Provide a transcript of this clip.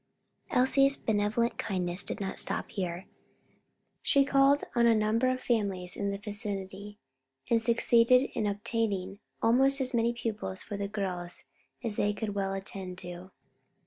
Elsie's benevolent kindness did not stop here; she called on a number of families in the vicinity, and succeeded in obtaining almost as many pupils for the girls as they could well attend to.